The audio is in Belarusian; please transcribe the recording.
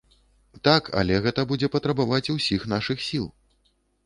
Так, але гэта будзе патрабаваць усіх нашых сіл.